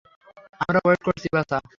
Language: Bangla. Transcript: আমরা ওয়েট করছি বাছা?